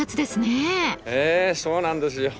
ええそうなんですよ。